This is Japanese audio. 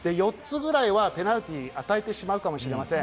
４つぐらいはペナルティーを与えてしまうかもしれません。